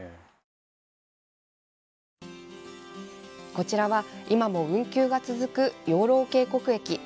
こちらは今も運休が続く養老渓谷駅。